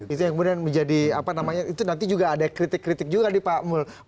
itu yang kemudian menjadi apa namanya itu nanti juga ada kritik kritik juga nih pak mul